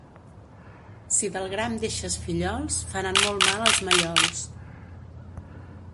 Si del gram deixes fillols faran molt mal als mallols.